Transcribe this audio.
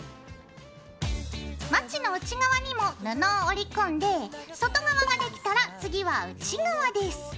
まちの内側にも布を折り込んで外側ができたら次は内側です。